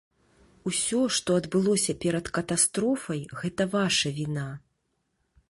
Усё, што адбылося перад катастрофай, гэта ваша віна.